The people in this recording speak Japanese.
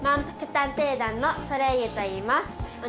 探偵団のソレイユといいます。